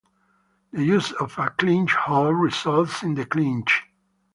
The use of a clinch hold results in the clinch.